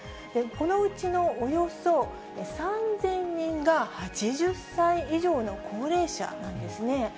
このうちのおよそ３０００人が、８０歳以上の高齢者なんですね。